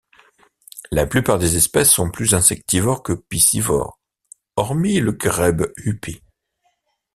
La plupart des espèces sont plus insectivores que piscivores, hormis le grèbe huppé.